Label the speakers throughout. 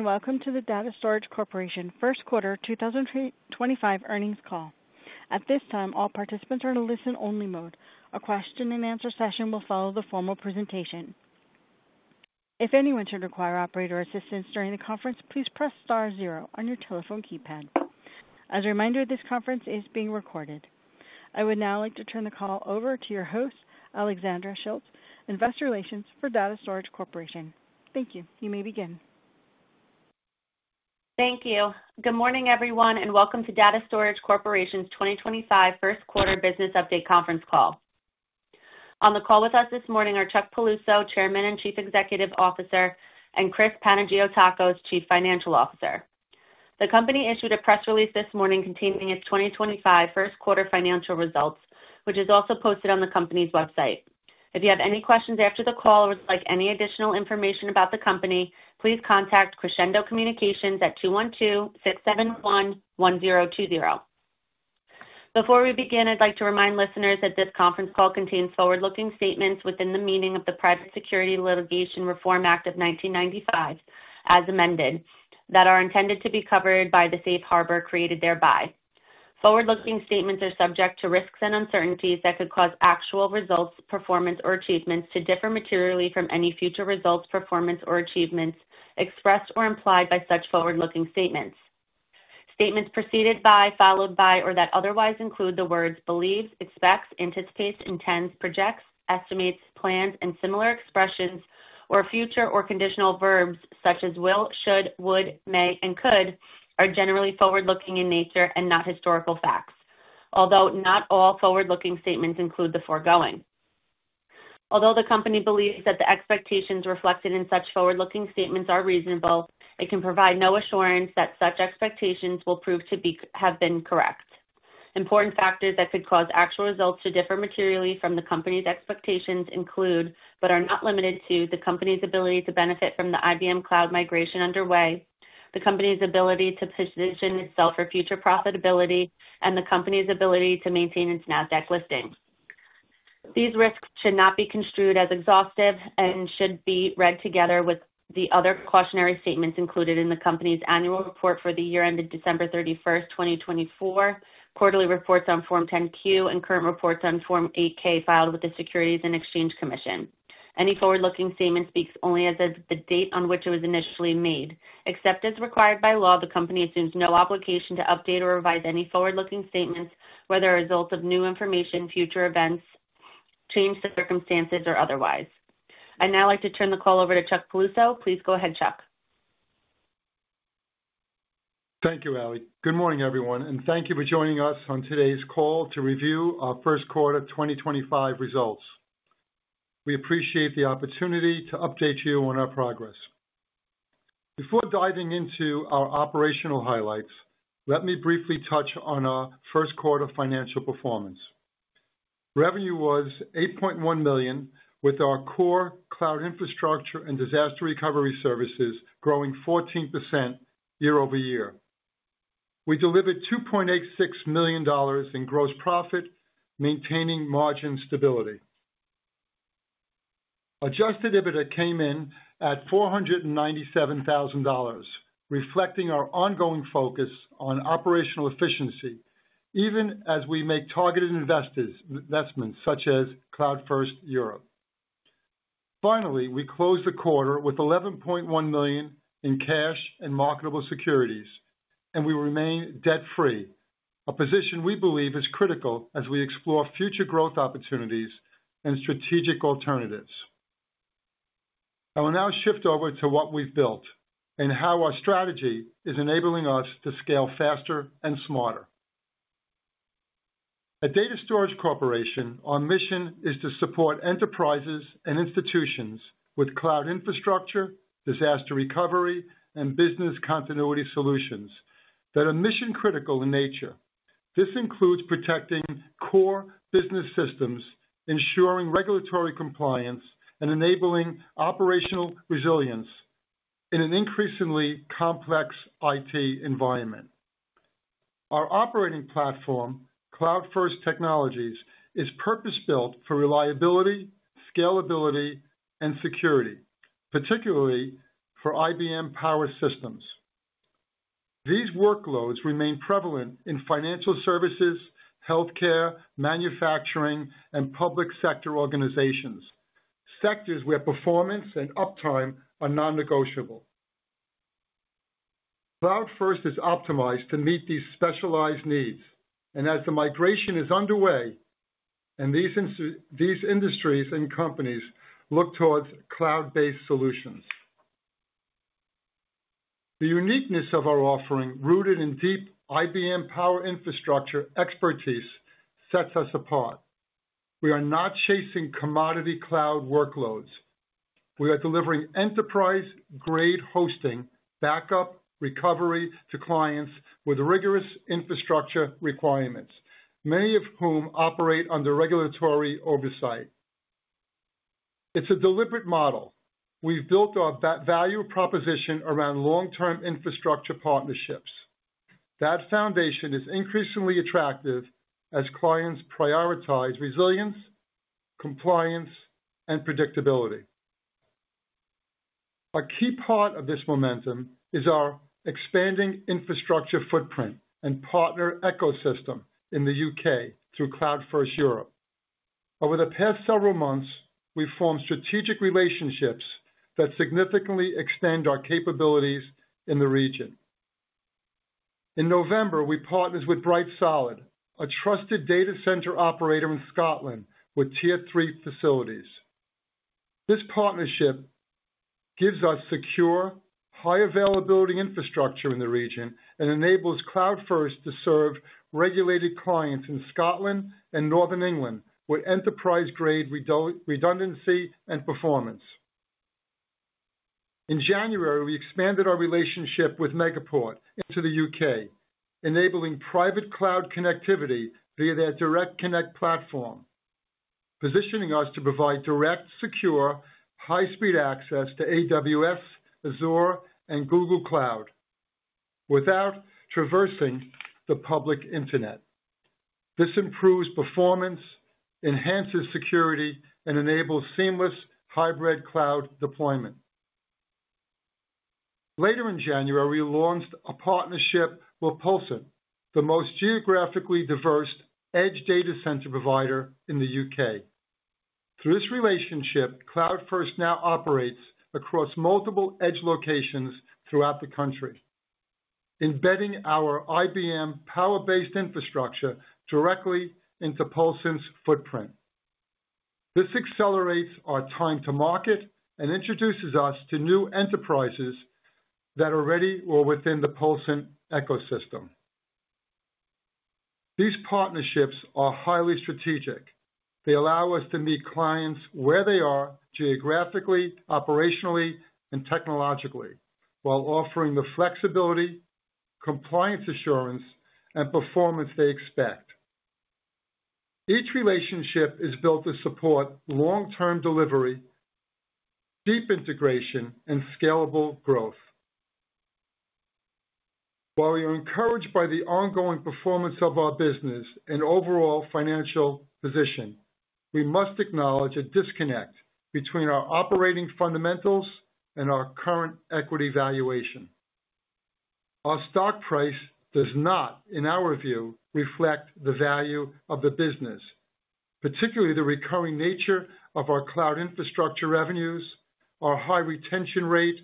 Speaker 1: Welcome to the Data Storage Corporation First Quarter 2025 earnings call. At this time, all participants are in a listen-only mode. A question-and-answer session will follow the formal presentation. If anyone should require operator assistance during the conference, please press *0 on your telephone keypad. As a reminder, this conference is being recorded. I would now like to turn the call over to your host, Alexandra Schilt, Investor Relations for Data Storage Corporation. Thank you. You may begin.
Speaker 2: Thank you. Good morning, everyone, and welcome to Data Storage Corporation's 2025 First Quarter Business Update Conference Call. On the call with us this morning are Chuck Piluso, Chairman and Chief Executive Officer, and Chris Panagiotakos, Chief Financial Officer. The company issued a press release this morning containing its 2025 First Quarter financial results, which is also posted on the company's website. If you have any questions after the call or would like any additional information about the company, please contact Crescendo Communications at 212-671-1020. Before we begin, I'd like to remind listeners that this conference call contains forward-looking statements within the meaning of the Private Securities Litigation Reform Act of 1995, as amended, that are intended to be covered by the safe harbor created thereby. Forward-looking statements are subject to risks and uncertainties that could cause actual results, performance, or achievements to differ materially from any future results, performance, or achievements expressed or implied by such forward-looking statements. Statements preceded by, followed by, or that otherwise include the words believes, expects, anticipates, intends, projects, estimates, plans, and similar expressions, or future or conditional verbs such as will, should, would, may, and could, are generally forward-looking in nature and not historical facts, although not all forward-looking statements include the foregoing. Although the company believes that the expectations reflected in such forward-looking statements are reasonable, it can provide no assurance that such expectations will prove to have been correct. Important factors that could cause actual results to differ materially from the company's expectations include, but are not limited to, the company's ability to benefit from the IBM cloud migration underway, the company's ability to position itself for future profitability, and the company's ability to maintain its NASDAQ listing. These risks should not be construed as exhaustive and should be read together with the other cautionary statements included in the company's annual report for the year ended December 31, 2024, quarterly reports on Form 10Q, and current reports on Form 8K filed with the Securities and Exchange Commission. Any forward-looking statement speaks only as of the date on which it was initially made. Except as required by law, the company assumes no obligation to update or revise any forward-looking statements where the results of new information, future events, change the circumstances, or otherwise. I'd now like to turn the call over to Chuck Piluso. Please go ahead, Chuck.
Speaker 3: Thank you, Ali. Good morning, everyone, and thank you for joining us on today's call to review our First Quarter 2025 results. We appreciate the opportunity to update you on our progress. Before diving into our operational highlights, let me briefly touch on our First Quarter financial performance. Revenue was $8.1 million, with our core cloud infrastructure and disaster recovery services growing 14% year over year. We delivered $2.86 million in gross profit, maintaining margin stability. Adjusted EBITDA came in at $497,000, reflecting our ongoing focus on operational efficiency, even as we make targeted investments such as CloudFirst Europe. Finally, we closed the quarter with $11.1 million in cash and marketable securities, and we remain debt-free, a position we believe is critical as we explore future growth opportunities and strategic alternatives. I will now shift over to what we've built and how our strategy is enabling us to scale faster and smarter. At Data Storage Corporation, our mission is to support enterprises and institutions with cloud infrastructure, disaster recovery, and business continuity solutions that are mission-critical in nature. This includes protecting core business systems, ensuring regulatory compliance, and enabling operational resilience in an increasingly complex IT environment. Our operating platform, CloudFirst Technologies, is purpose-built for reliability, scalability, and security, particularly for IBM Power Systems. These workloads remain prevalent in financial services, healthcare, manufacturing, and public sector organizations, sectors where performance and uptime are non-negotiable. CloudFirst is optimized to meet these specialized needs, and as the migration is underway and these industries and companies look towards cloud-based solutions, the uniqueness of our offering, rooted in deep IBM Power infrastructure expertise, sets us apart. We are not chasing commodity cloud workloads. We are delivering enterprise-grade hosting, backup, recovery to clients with rigorous infrastructure requirements, many of whom operate under regulatory oversight. It's a deliberate model. We've built our value proposition around long-term infrastructure partnerships. That foundation is increasingly attractive as clients prioritize resilience, compliance, and predictability. A key part of this momentum is our expanding infrastructure footprint and partner ecosystem in the U.K. through CloudFirst Europe. Over the past several months, we've formed strategic relationships that significantly extend our capabilities in the region. In November, we partnered with Brightsolid, a trusted data center operator in Scotland with tier-three facilities. This partnership gives us secure, high-availability infrastructure in the region and enables CloudFirst to serve regulated clients in Scotland and Northern England with enterprise-grade redundancy and performance. In January, we expanded our relationship with Megaport into the U.K., enabling private cloud connectivity via their Direct Connect platform, positioning us to provide direct, secure, high-speed access to AWS, Azure, and Google Cloud without traversing the public internet. This improves performance, enhances security, and enables seamless hybrid cloud deployment. Later in January, we launched a partnership with Polson, the most geographically diverse edge data center provider in the U.K. Through this relationship, CloudFirst now operates across multiple edge locations throughout the country, embedding our IBM Power-based infrastructure directly into Polson's footprint. This accelerates our time to market and introduces us to new enterprises that are ready or within the Polson ecosystem. These partnerships are highly strategic. They allow us to meet clients where they are geographically, operationally, and technologically while offering the flexibility, compliance assurance, and performance they expect. Each relationship is built to support long-term delivery, deep integration, and scalable growth. While we are encouraged by the ongoing performance of our business and overall financial position, we must acknowledge a disconnect between our operating fundamentals and our current equity valuation. Our stock price does not, in our view, reflect the value of the business, particularly the recurring nature of our cloud infrastructure revenues, our high retention rate,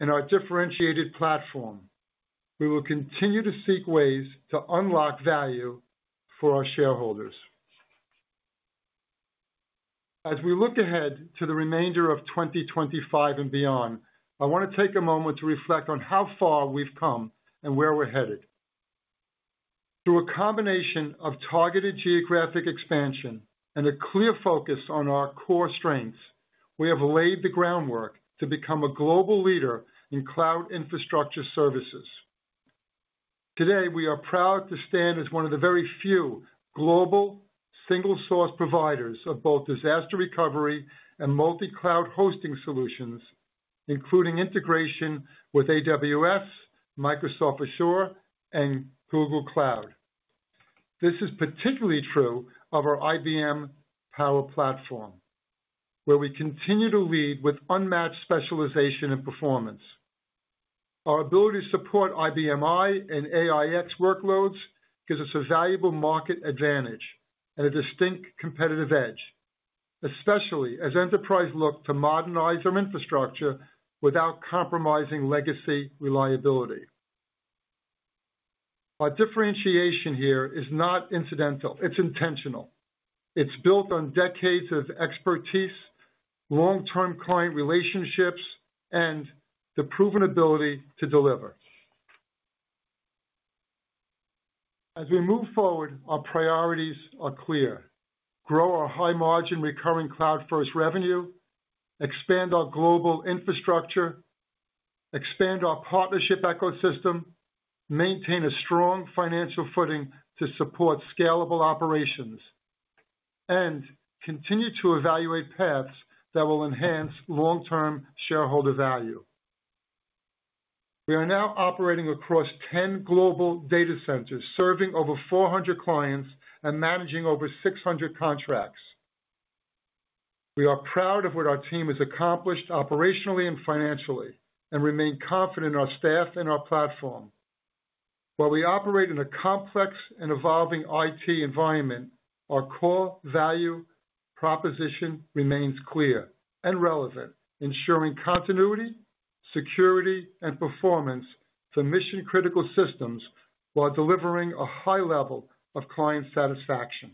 Speaker 3: and our differentiated platform. We will continue to seek ways to unlock value for our shareholders. As we look ahead to the remainder of 2025 and beyond, I want to take a moment to reflect on how far we've come and where we're headed. Through a combination of targeted geographic expansion and a clear focus on our core strengths, we have laid the groundwork to become a global leader in cloud infrastructure services. Today, we are proud to stand as one of the very few global single-source providers of both disaster recovery and multi-cloud hosting solutions, including integration with AWS, Microsoft Azure, and Google Cloud. This is particularly true of our IBM Power platform, where we continue to lead with unmatched specialization and performance. Our ability to support IBM i and AIX workloads gives us a valuable market advantage and a distinct competitive edge, especially as enterprises look to modernize their infrastructure without compromising legacy reliability. Our differentiation here is not incidental. It's intentional. It's built on decades of expertise, long-term client relationships, and the proven ability to deliver. As we move forward, our priorities are clear: grow our high-margin recurring cloud-first revenue, expand our global infrastructure, expand our partnership ecosystem, maintain a strong financial footing to support scalable operations, and continue to evaluate paths that will enhance long-term shareholder value. We are now operating across 10 global data centers, serving over 400 clients and managing over 600 contracts. We are proud of what our team has accomplished operationally and financially and remain confident in our staff and our platform. While we operate in a complex and evolving IT environment, our core value proposition remains clear and relevant, ensuring continuity, security, and performance for mission-critical systems while delivering a high level of client satisfaction.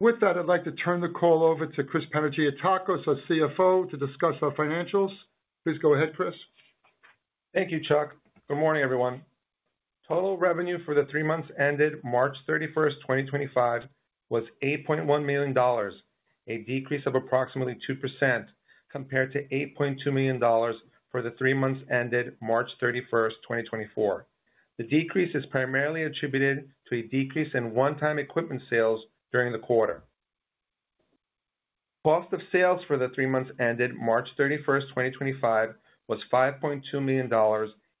Speaker 3: With that, I'd like to turn the call over to Chris Panagiotakos, our CFO, to discuss our financials. Please go ahead, Chris.
Speaker 4: Thank you, Chuck. Good morning, everyone. Total revenue for the three months ended March 31, 2025, was $8.1 million, a decrease of approximately 2% compared to $8.2 million for the three months ended March 31, 2024. The decrease is primarily attributed to a decrease in one-time equipment sales during the quarter. Cost of sales for the three months ended March 31, 2025, was $5.2 million,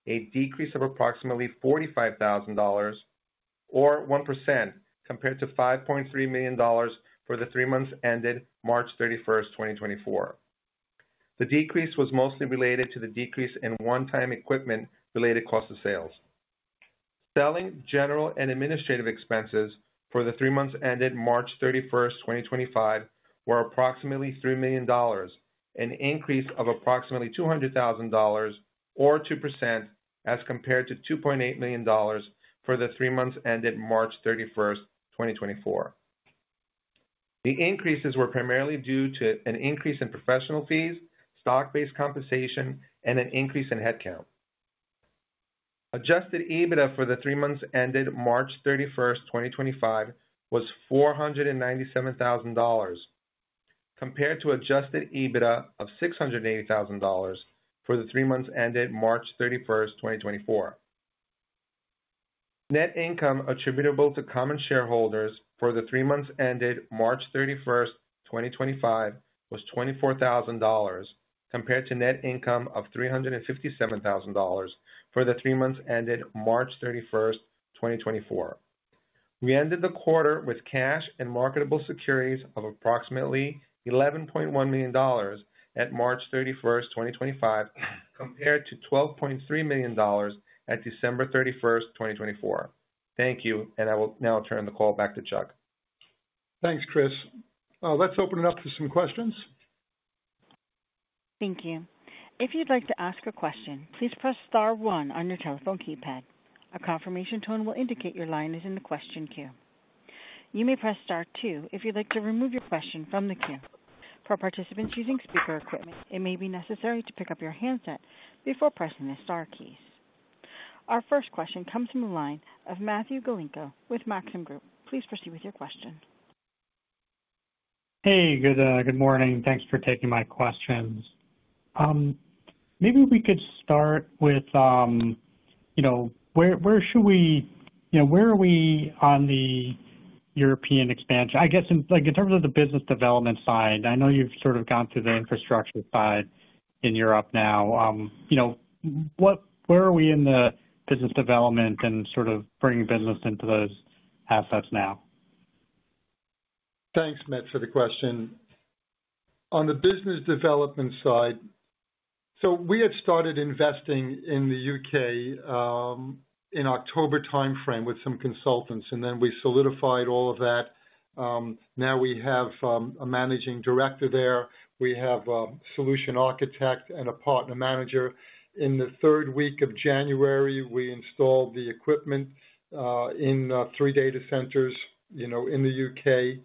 Speaker 4: a decrease of approximately $45,000 or 1% compared to $5.3 million for the three months ended March 31, 2024. The decrease was mostly related to the decrease in one-time equipment-related cost of sales. Selling, general, and administrative expenses for the three months ended March 31, 2025, were approximately $3 million, an increase of approximately $200,000 or 2% as compared to $2.8 million for the three months ended March 31, 2024. The increases were primarily due to an increase in professional fees, stock-based compensation, and an increase in headcount. Adjusted EBITDA for the three months ended March 31, 2025, was $497,000 compared to adjusted EBITDA of $680,000 for the three months ended March 31, 2024. Net income attributable to common shareholders for the three months ended March 31, 2025, was $24,000 compared to net income of $357,000 for the three months ended March 31, 2024. We ended the quarter with cash and marketable securities of approximately $11.1 million at March 31, 2025, compared to $12.3 million at December 31, 2024. Thank you, and I will now turn the call back to Chuck.
Speaker 3: Thanks, Chris. Let's open it up to some questions.
Speaker 1: Thank you. If you'd like to ask a question, please press *1 on your telephone keypad. A confirmation tone will indicate your line is in the question queue. You may press *2 if you'd like to remove your question from the queue. For participants using speaker equipment, it may be necessary to pick up your handset before pressing the * keys. Our first question comes from the line of Matthew Galinko with Maxim Group. Please proceed with your question.
Speaker 5: Hey, good morning. Thanks for taking my questions. Maybe we could start with where should we, where are we on the European expansion? I guess in terms of the business development side, I know you've sort of gone through the infrastructure side in Europe now. Where are we in the business development and sort of bringing business into those assets now?
Speaker 3: Thanks, Matt, for the question. On the business development side, we had started investing in the U.K. in October timeframe with some consultants, and then we solidified all of that. Now we have a Managing Director there. We have a Solution Architect and a Partner Manager. In the third week of January, we installed the equipment in three data centers in the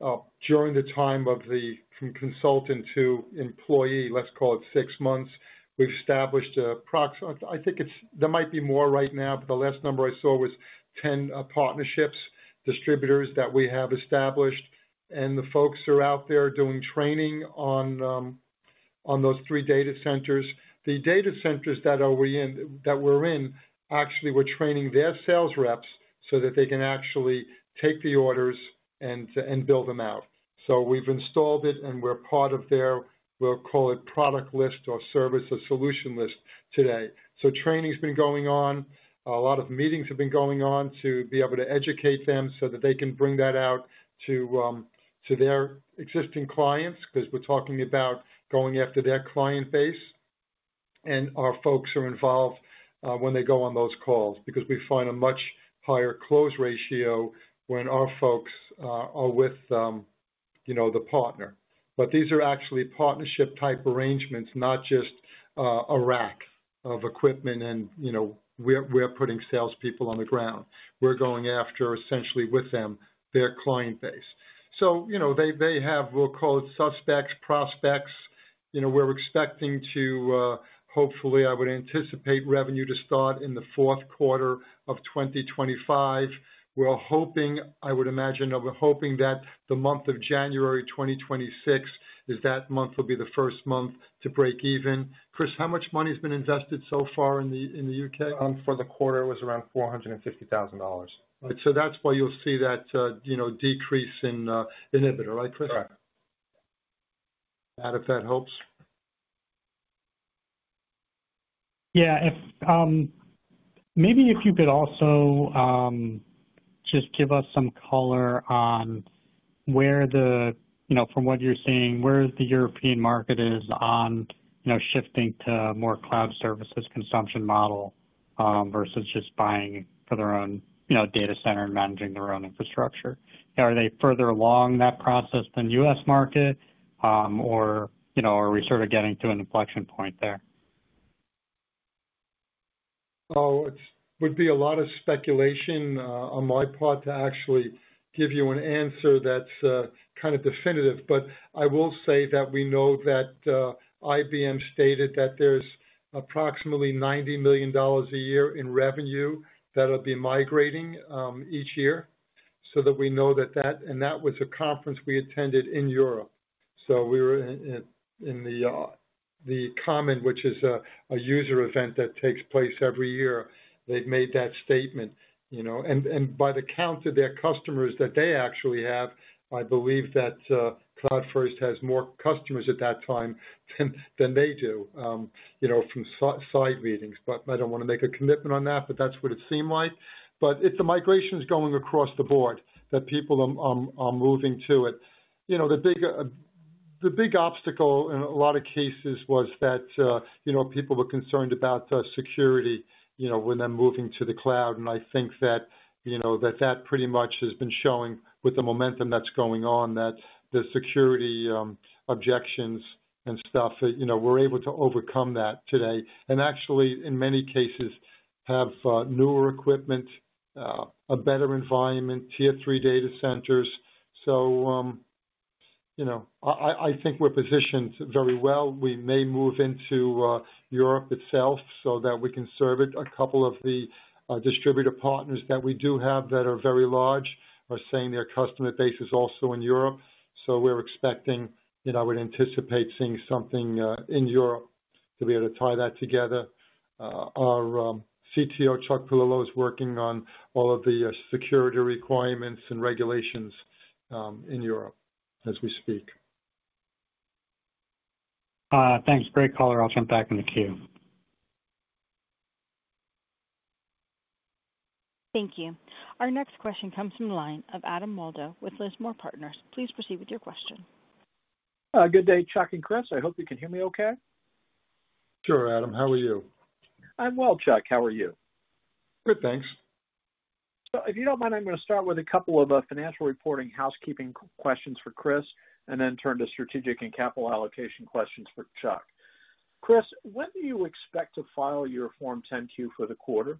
Speaker 3: U.K. During the time of the from consultant to employee, let's call it six months, we've established approximately I think there might be more right now, but the last number I saw was 10 partnerships, distributors that we have established, and the folks are out there doing training on those three data centers. The data centers that we're in, actually, we're training their sales reps so that they can actually take the orders and build them out. We've installed it, and we're part of their, we'll call it product list or service or solution list today. Training's been going on. A lot of meetings have been going on to be able to educate them so that they can bring that out to their existing clients because we're talking about going after their client base. Our folks are involved when they go on those calls because we find a much higher close ratio when our folks are with the partner. These are actually partnership-type arrangements, not just a rack of equipment, and we're putting salespeople on the ground. We're going after, essentially, with them, their client base. They have, we'll call it suspects, prospects. We're expecting to, hopefully, I would anticipate revenue to start in the fourth quarter of 2025. We're hoping, I would imagine, we're hoping that the month of January 2026 is that month will be the first month to break even. Chris, how much money has been invested so far in the U.K.?
Speaker 4: For the quarter, it was around $450,000.
Speaker 3: That's why you'll see that decrease in EBITDA, right, Chris?
Speaker 4: Correct.
Speaker 3: Added that hopes.
Speaker 5: Yeah. Maybe if you could also just give us some color on where the, from what you're seeing, where the European market is on shifting to a more cloud services consumption model versus just buying for their own data center and managing their own infrastructure. Are they further along that process than U.S. market, or are we sort of getting to an inflection point there?
Speaker 3: Oh, it would be a lot of speculation on my part to actually give you an answer that's kind of definitive, but I will say that we know that IBM stated that there's approximately $90 million a year in revenue that will be migrating each year. That we know, and that was a conference we attended in Europe. We were in the Commons, which is a user event that takes place every year. They have made that statement. By the count of their customers that they actually have, I believe that CloudFirst has more customers at that time than they do from side meetings. I do not want to make a commitment on that, but that's what it seemed like. The migration is going across the board that people are moving to it. The big obstacle in a lot of cases was that people were concerned about security when they're moving to the cloud. I think that that pretty much has been showing with the momentum that's going on that the security objections and stuff, we're able to overcome that today. Actually, in many cases, have newer equipment, a better environment, tier III data centers. I think we're positioned very well. We may move into Europe itself so that we can serve it. A couple of the distributor partners that we do have that are very large are saying their customer base is also in Europe. We're expecting, and I would anticipate seeing something in Europe to be able to tie that together. Our CTO, Chuck Paolillo, is working on all of the security requirements and regulations in Europe as we speak.
Speaker 5: Thanks. Great call. I'll jump back in the queue.
Speaker 1: Thank you. Our next question comes from the line of Adam Waldo with Lismore Partners. Please proceed with your question.
Speaker 6: Good day, Chuck and Chris. I hope you can hear me okay.
Speaker 3: Sure, Adam. How are you?
Speaker 6: I'm well, Chuck. How are you?
Speaker 3: Good, thanks.
Speaker 6: If you don't mind, I'm going to start with a couple of financial reporting housekeeping questions for Chris and then turn to strategic and capital allocation questions for Chuck. Chris, when do you expect to file your Form 10Q for the quarter?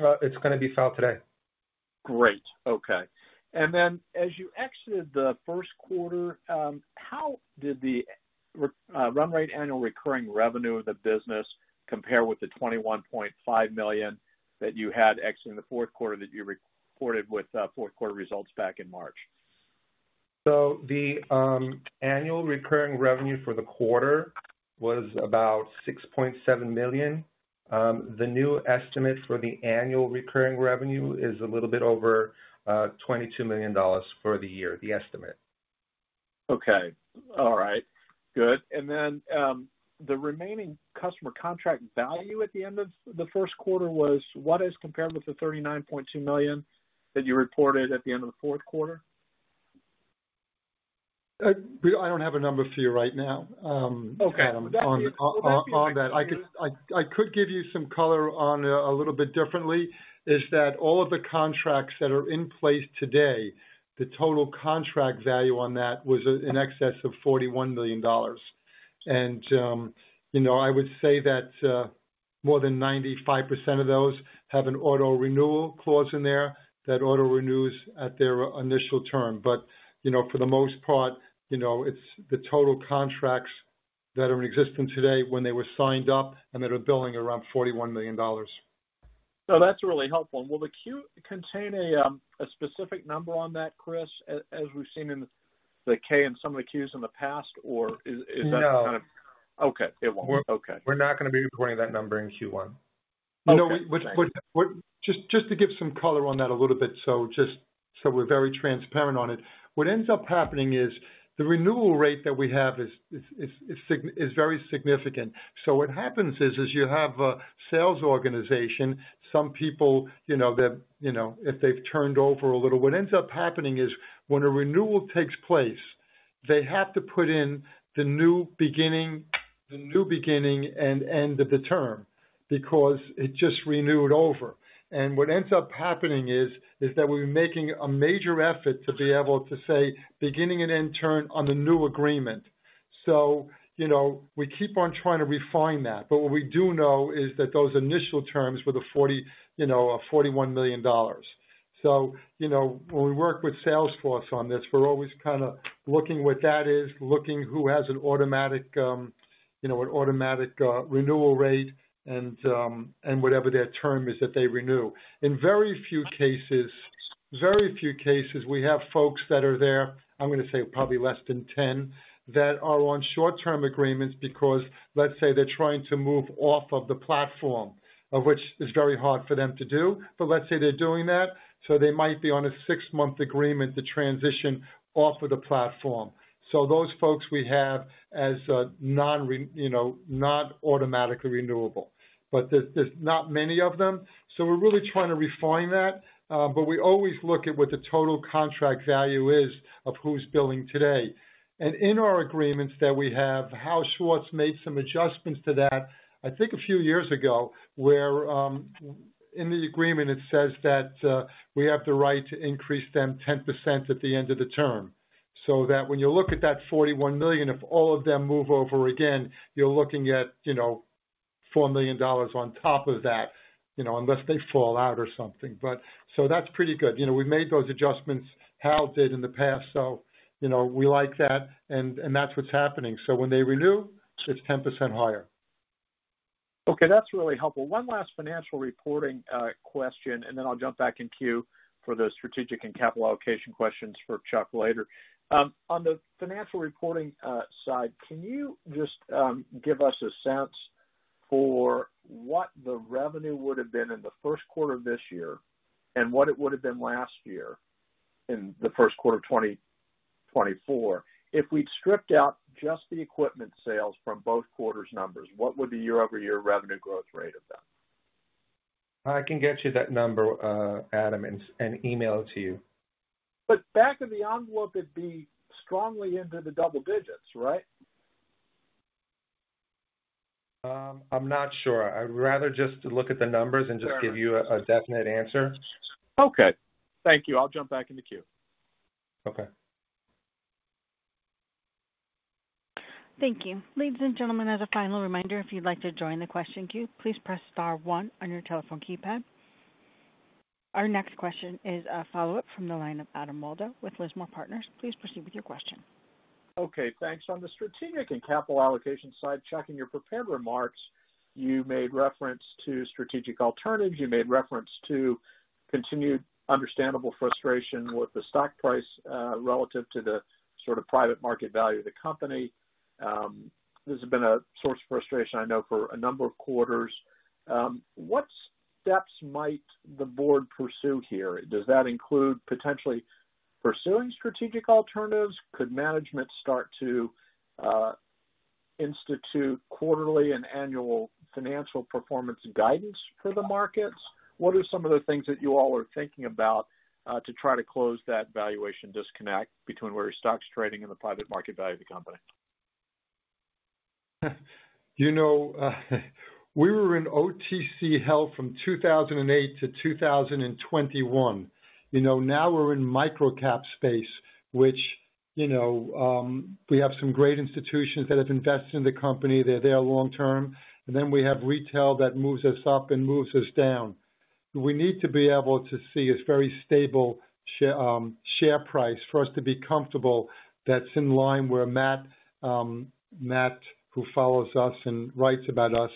Speaker 4: It's going to be filed today.
Speaker 6: Great. Okay. As you exited the first quarter, how did the run rate annual recurring revenue of the business compare with the $21.5 million that you had exiting the fourth quarter that you reported with fourth quarter results back in March?
Speaker 4: The annual recurring revenue for the quarter was about $6.7 million. The new estimate for the annual recurring revenue is a little bit over $22 million for the year, the estimate.
Speaker 6: Okay. All right. Good. And then the remaining customer contract value at the end of the first quarter was what as compared with the $39.2 million that you reported at the end of the fourth quarter?
Speaker 3: I don't have a number for you right now.
Speaker 6: Okay. That's fine.
Speaker 3: On that, I could give you some color on a little bit differently is that all of the contracts that are in place today, the total contract value on that was in excess of $41 million. I would say that more than 95% of those have an auto renewal clause in there that auto renews at their initial term. For the most part, it is the total contracts that are in existence today when they were signed up and that are billing around $41 million.
Speaker 6: That's really helpful. And will the queue contain a specific number on that, Chris, as we've seen in the K and some of the Qs in the past, or is that kind of?
Speaker 4: No.
Speaker 6: Okay. It won't. Okay.
Speaker 4: We're not going to be reporting that number in Q1.
Speaker 3: Just to give some color on that a little bit, so we're very transparent on it. What ends up happening is the renewal rate that we have is very significant. What happens is you have a sales organization, some people that if they've turned over a little, what ends up happening is when a renewal takes place, they have to put in the new beginning and end of the term because it just renewed over. What ends up happening is that we're making a major effort to be able to say beginning and end term on the new agreement. We keep on trying to refine that. What we do know is that those initial terms were the $41 million. When we work with Salesforce on this, we're always kind of looking what that is, looking who has an automatic renewal rate and whatever their term is that they renew. In very few cases, very few cases, we have folks that are there, I'm going to say probably less than 10, that are on short-term agreements because let's say they're trying to move off of the platform, which is very hard for them to do. Let's say they're doing that. They might be on a six-month agreement to transition off of the platform. Those folks we have as not automatically renewable, but there's not many of them. We're really trying to refine that. We always look at what the total contract value is of who's billing today. In our agreements that we have, Harold Schwartz made some adjustments to that, I think a few years ago where in the agreement, it says that we have the right to increase them 10% at the end of the term. When you look at that $41 million, if all of them move over again, you're looking at $4 million on top of that unless they fall out or something. That's pretty good. We've made those adjustments, Harold did in the past. We like that, and that's what's happening. When they renew, it's 10% higher.
Speaker 6: Okay. That's really helpful. One last financial reporting question, and then I'll jump back in queue for the strategic and capital allocation questions for Chuck later. On the financial reporting side, can you just give us a sense for what the revenue would have been in the first quarter of this year and what it would have been last year in the first quarter of 2024? If we'd stripped out just the equipment sales from both quarters' numbers, what would the year-over-year revenue growth rate have been?
Speaker 4: I can get you that number, Adam, and email it to you.
Speaker 6: Back of the envelope, it'd be strongly into the double digits, right?
Speaker 4: I'm not sure. I'd rather just look at the numbers and just give you a definite answer.
Speaker 6: Okay. Thank you. I'll jump back in the queue.
Speaker 4: Okay.
Speaker 1: Thank you. Ladies and gentlemen, as a final reminder, if you'd like to join the question queue, please press *1 on your telephone keypad. Our next question is a follow-up from the line of Adam Waldo with Lismore Partners. Please proceed with your question.
Speaker 6: Okay. Thanks. On the strategic and capital allocation side, Chuck, in your prepared remarks, you made reference to strategic alternatives. You made reference to continued understandable frustration with the stock price relative to the sort of private market value of the company. This has been a source of frustration, I know, for a number of quarters. What steps might the board pursue here? Does that include potentially pursuing strategic alternatives? Could management start to institute quarterly and annual financial performance guidance for the markets? What are some of the things that you all are thinking about to try to close that valuation disconnect between where your stock's trading and the private market value of the company?
Speaker 3: We were in OTC hell from 2008-2021. Now we're in microcap space, which we have some great institutions that have invested in the company. They're there long-term. We have retail that moves us up and moves us down. We need to be able to see a very stable share price for us to be comfortable that's in line where Matt, who follows us and writes about us,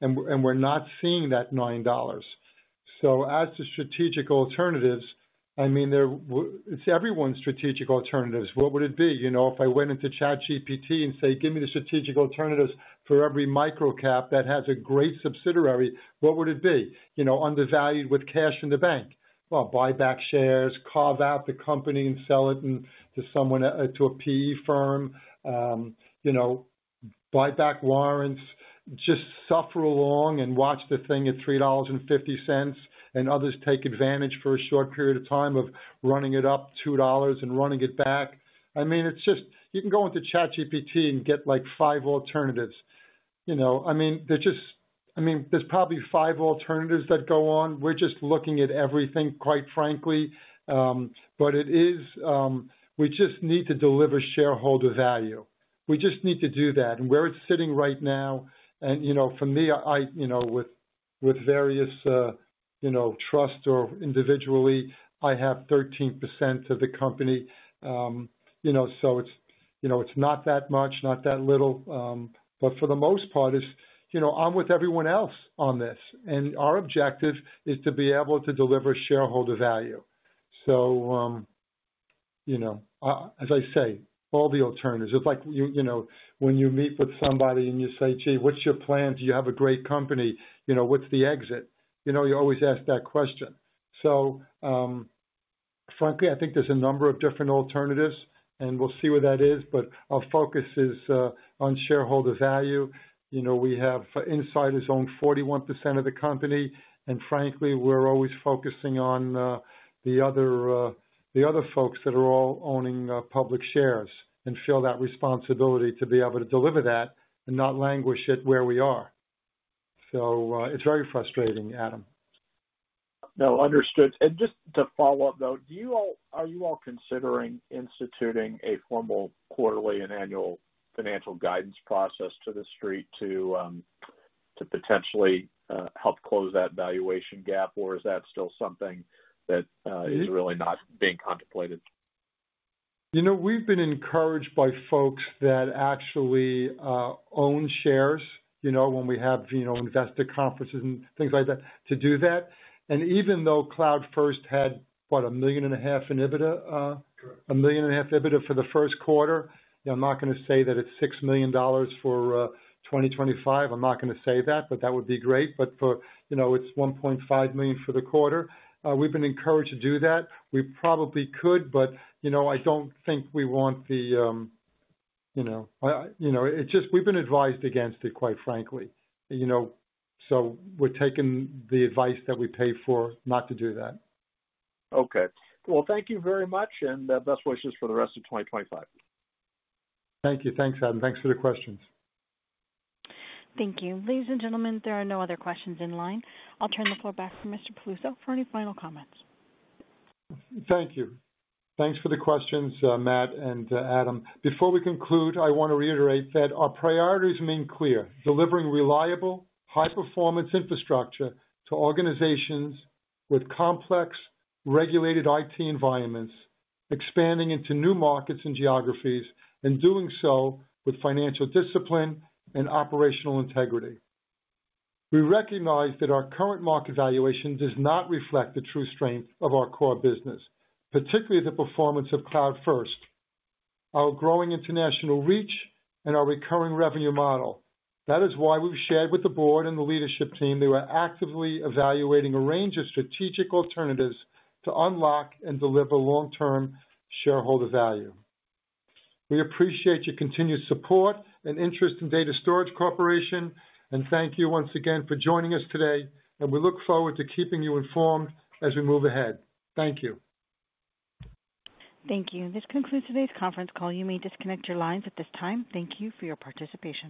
Speaker 3: and we're not seeing that $9. As to strategic alternatives, I mean, it's everyone's strategic alternatives. What would it be? If I went into ChatGPT and said, "Give me the strategic alternatives for every microcap that has a great subsidiary," what would it be? Undervalued with cash in the bank. Buy back shares, carve out the company and sell it to a PE firm, buy back warrants, just suffer along and watch the thing at $3.50, and others take advantage for a short period of time of running it up $2 and running it back. I mean, you can go into ChatGPT and get like five alternatives. I mean, there are probably five alternatives that go on. We're just looking at everything, quite frankly. We just need to deliver shareholder value. We just need to do that. Where it's sitting right now, and for me, with various trusts or individually, I have 13% of the company. It's not that much, not that little. For the most part, I'm with everyone else on this. Our objective is to be able to deliver shareholder value. As I say, all the alternatives. It's like when you meet with somebody and you say, "Gee, what's your plan? Do you have a great company? What's the exit?" You always ask that question. Frankly, I think there's a number of different alternatives, and we'll see where that is. Our focus is on shareholder value. We have insiders own 41% of the company. Frankly, we're always focusing on the other folks that are all owning public shares and feel that responsibility to be able to deliver that and not languish at where we are. It's very frustrating, Adam.
Speaker 6: No, understood. Just to follow up, though, are you all considering instituting a formal quarterly and annual financial guidance process to the street to potentially help close that valuation gap, or is that still something that is really not being contemplated?
Speaker 3: We've been encouraged by folks that actually own shares when we have investor conferences and things like that to do that. Even though CloudFirst had, what, $1.5 million EBITDA?
Speaker 4: Correct.
Speaker 6: A million and a half EBITDA for the first quarter. I'm not going to say that it's $6 million for 2025. I'm not going to say that, but that would be great. But it's $1.5 million for the quarter. We've been encouraged to do that. We probably could, but I don't think we want the we've been advised against it, quite frankly. So we're taking the advice that we pay for not to do that. Okay. Thank you very much, and best wishes for the rest of 2025.
Speaker 3: Thank you. Thanks, Adam. Thanks for the questions.
Speaker 1: Thank you. Ladies and gentlemen, there are no other questions in line. I'll turn the floor back to Mr. Piluso for any final comments.
Speaker 3: Thank you. Thanks for the questions, Matt and Adam. Before we conclude, I want to reiterate that our priorities remain clear: delivering reliable, high-performance infrastructure to organizations with complex regulated IT environments, expanding into new markets and geographies, and doing so with financial discipline and operational integrity. We recognize that our current market valuation does not reflect the true strength of our core business, particularly the performance of CloudFirst, our growing international reach, and our recurring revenue model. That is why we've shared with the board and the leadership team that we're actively evaluating a range of strategic alternatives to unlock and deliver long-term shareholder value. We appreciate your continued support and interest in Data Storage Corporation, and thank you once again for joining us today. We look forward to keeping you informed as we move ahead. Thank you.
Speaker 1: Thank you. This concludes today's conference call. You may disconnect your lines at this time. Thank you for your participation.